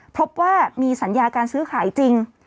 พบว่ามีสัญญาการซื้อขายจริง